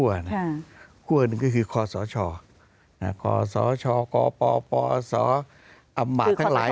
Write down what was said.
ขั้วอำนาจหนึ่งก็คือขอสชขอสชขอปอปอสชอำมาตย์ทั้งหลาย